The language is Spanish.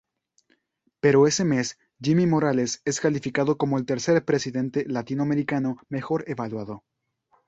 Pero ese mes, Jimmy Morales es calificado como el tercer presidente latinoamericano mejor evaluado.